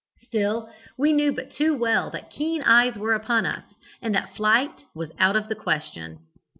Still, we knew but too well that keen eyes were upon us, and that flight was out of the question.